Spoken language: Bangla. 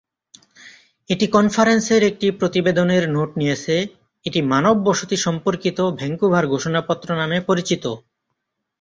এটি কনফারেন্সের একটি প্রতিবেদনের নোট নিয়েছে, এটি মানব বসতি সম্পর্কিত ভ্যানকুভার ঘোষণাপত্র নামে পরিচিত।